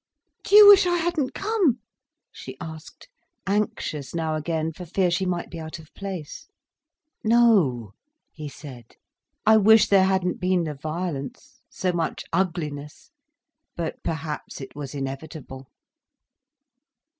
"Do you wish I hadn't come?" she asked, anxious now again for fear she might be out of place. "No," he said. "I wish there hadn't been the violence—so much ugliness—but perhaps it was inevitable."